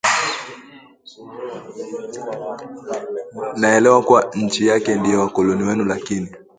naelewa kuwa nchi yake ndiyo wakoloni wenu lakini